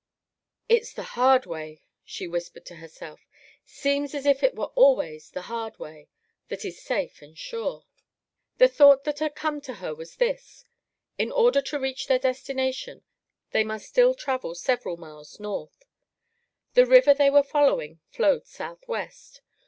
"It's the hard way," she whispered to herself. "Seems as if it were always the hard way that is safe and sure." The thought that had come to her was this: In order to reach their destination, they must still travel several miles north. The river they were following flowed southwest.